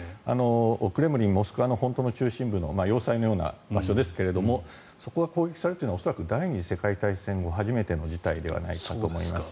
クレムリンモスクワの本当の中心部の要塞のような場所ですがそこが攻撃されるというのは恐らく第２次世界大戦後初めての事態じゃないかと思います。